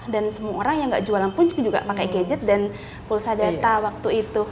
dan semua orang yang gak jualan pun juga pakai gadget dan pulsa data waktu itu